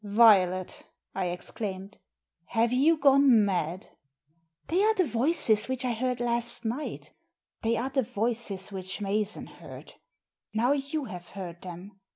Violet," I exclaimed, " have you gone mad ?" "They are the voices which I heard last night They are the voices which Mason heard. Now you have heard them.